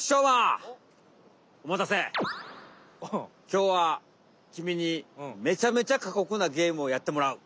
きょうはきみにめちゃめちゃかこくなゲームをやってもらう。